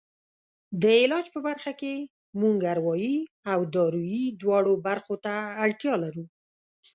د علاج په برخه کې موږ اروایي او دارویي دواړو برخو ته اړتیا لرو.